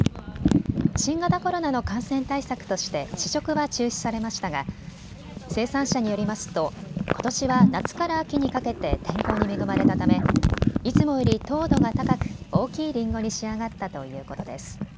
新型コロナの感染対策として試食は中止されましたが生産者によりますとことしは夏から秋にかけて天候に恵まれたためいつもより糖度が高く大きいりんごに仕上がったということです。